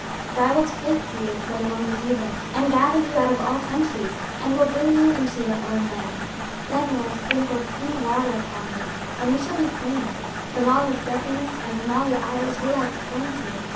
26:036:024 For I will take you from among the heathen, and gather you out of all countries, and will bring you into your own land. 26:036:025 Then will I sprinkle clean water upon you, and ye shall be clean: from all your filthiness, and from all your idols, will I cleanse you.